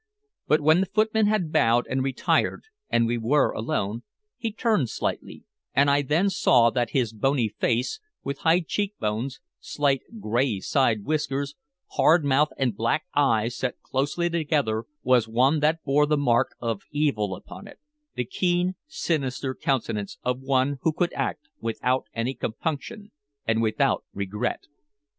But when the footman had bowed and retired and we were alone, he turned slightly, and I then saw that his bony face, with high cheek bones, slight gray side whiskers, hard mouth and black eyes set closely together, was one that bore the mark of evil upon it the keen, sinister countenance of one who could act without any compunction and without regret.